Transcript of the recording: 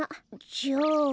じゃあ。